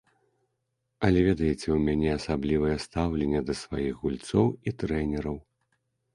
Але, ведаеце, у мяне асаблівае стаўленне да сваіх гульцоў і трэнераў.